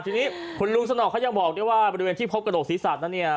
ทีนี้คุณลุงสนอกเขายังบอกดีว่าบรรษบันททศิษย์พบกระโดดศรีษะนะเนี่ย